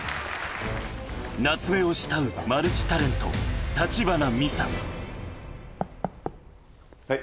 夏目を慕うマルチタレント、はい。